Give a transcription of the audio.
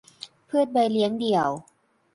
พืชใบเลี้ยงเดี่ยว